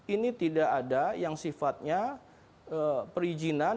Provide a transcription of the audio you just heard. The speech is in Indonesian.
ini tidak ada yang sifatnya perizinan